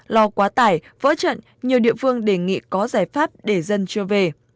lo quá tải vỡ trận nhiều địa phương đề nghị có giải pháp để dân chưa về